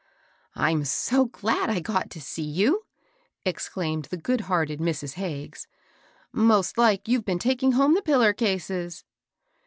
" I'm so glad I got to see you 1 " exclaimed the good hearted Mrs. Hagges. "Most like you've been taking home the piller cases